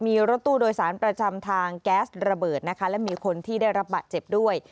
มีรถตู้โดยสารประจำทางแก๊สระเบิดนะคะและมีคนที่ได้รับบาดเจ็บด้วย